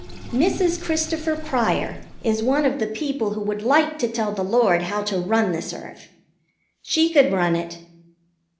Mrs. Christopher Pryor is one of the people who would like to tell the Lord how to run this earth. She could run it.